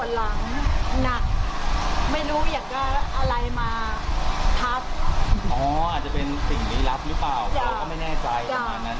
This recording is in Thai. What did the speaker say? ไม่แน่ใจก็เลยป้าเขาไม่รู้จะไปปิ้งใคร